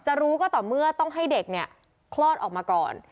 รู้ก็ต่อเมื่อต้องให้เด็กเนี่ยคลอดออกมาก่อน